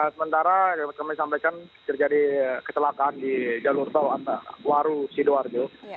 sementara dapat kami sampaikan terjadi kecelakaan di jalur tol waru sidoarjo